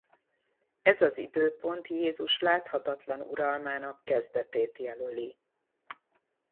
Ez az időpont Jézus láthatatlan uralmának kezdetét jelöli.